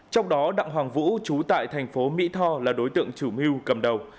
trong đó đặng hoàng vũ trú tại thành phố mỹ tho là đối tượng chủ mưu cầm đầu